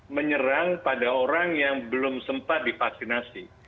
menyerang pada orang yang belum sempat divaksinasi